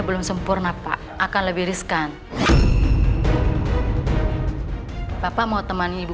busara pasti masih cemas dong